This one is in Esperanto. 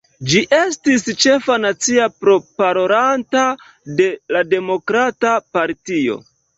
Ĝi estis ĉefa nacia proparolanto de la Demokrata Partio.